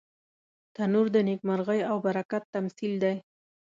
تنور د نیکمرغۍ او برکت تمثیل دی